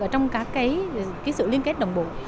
ở trong cái sự liên kết đồng bộ